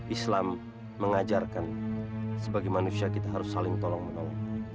islam mengajarkan sebagai manusia kita harus saling tolong menolong